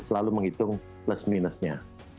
selalu menghitung plus minusnya